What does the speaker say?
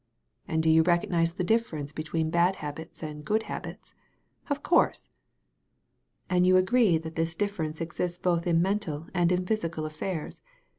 "And do you recognize a difference between bad habits and good habits ?" "Of course." "" "Aiid you agree that this difference exists both in mental and in physical affairs?